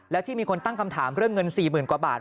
แล้วที่มีคนตั้งคำถามเรื่องเงิน๔๐๐๐กว่าบาท